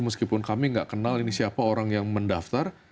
meskipun kami nggak kenal ini siapa orang yang mendaftar